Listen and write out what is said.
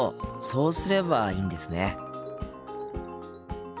そうすればいいんですね。